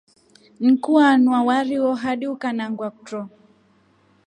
Niku wanywa wari wo hadi ukanangwa kutro.